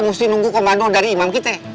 mesti nunggu komando dari imam kita